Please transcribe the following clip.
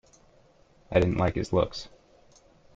I didn't like his looks.